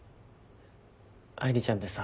愛梨ちゃんってさ